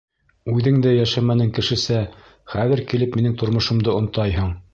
Үҙең дә йәшәмәнең кешесә, хәҙер килеп минең тормошомдо онтайһың.